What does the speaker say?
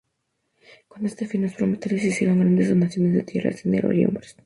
Con este fin, los promotores hicieron grandes donaciones de tierras, dinero y hombres.